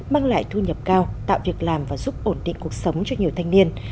mang lại thu nhập cao tạo việc làm và giúp ổn định cuộc sống cho nhiều thanh niên